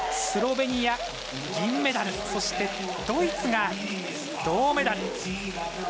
スロベニア、銀メダルそして、ドイツが銅メダル。